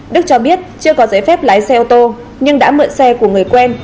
đức cho biết chưa có giấy phép lái xe ô tô nhưng đã mượn xe của người quen